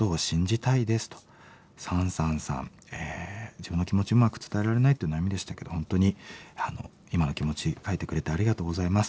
自分の気持ちをうまく伝えられないという悩みでしたけど本当に今の気持ち書いてくれてありがとうございます。